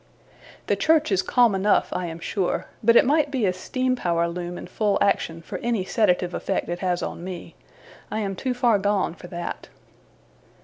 The church is calm enough, I am sure; but it might be a steam power loom in full action, for any sedative effect it has on me. I am too far gone for that.